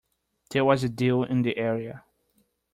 There was dew in the area.